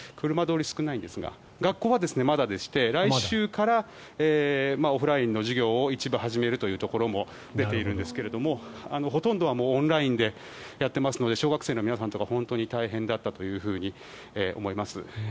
学校はまだでして来週からオフラインの授業を一部始めるというところも出てきているんですがほとんどはオンラインでやっていますので小学生の皆さんとか本当に大変だったと思います。